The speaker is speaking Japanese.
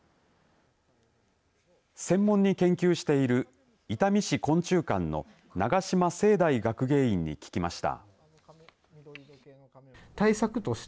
専門に研究している伊丹市昆虫館の長島聖大学芸員に聞きました。